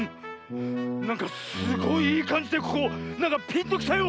なんかすごいいいかんじでここなんかピンときたよ！